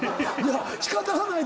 仕方がない。